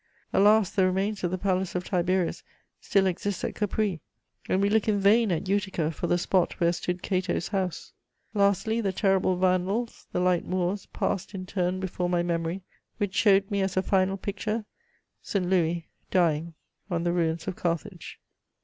Alas, the remains of the palace of Tiberius still exist at Capri, and we look in vain at Utica for the spot where stood Cato's house! Lastly, the terrible Vandals, the light Moors passed in turn before my memory, which showed me, as a final picture, St. Louis dying on the ruins of Carthage." * [Sidenote: The ruins of Carthage.